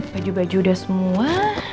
baju baju udah semua